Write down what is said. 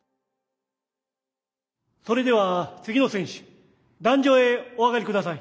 それでは次の選手壇上へお上がり下さい。